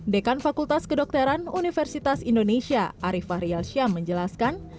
dekan fakultas kedokteran universitas indonesia ariefah rialsyam menjelaskan